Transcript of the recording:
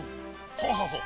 そうそうそう。